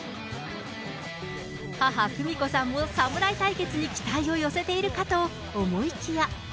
母、久美子さんも、侍対決に期待を寄せているかと思いきや。